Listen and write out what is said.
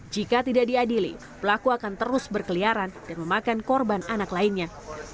jika tidak diadili pelaku akan terus berkeliaran dan memakan korban anak lainnya